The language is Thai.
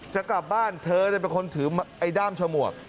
จะกลับบ้านเธอได้เป็นคนถือคือได้ด้ามชั่วโหมก